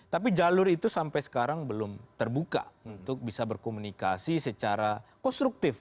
tapi jalur itu sampai sekarang belum terbuka untuk bisa berkomunikasi secara konstruktif